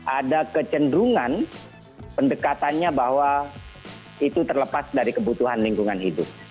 ada kecenderungan pendekatannya bahwa itu terlepas dari kebutuhan lingkungan hidup